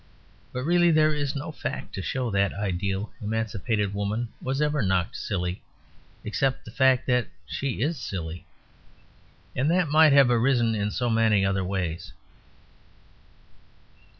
But really there is no fact to show that ideal, emancipated woman was ever knocked silly; except the fact that she is silly. And that might have arisen in so many other ways.